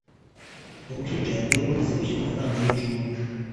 Uruhinja rwari rumaze kwishyurirwa amafaranga y'incungu